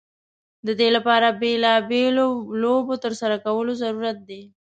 د دې لپاره بیلا بېلو لوبو ترسره کول ضرورت دی.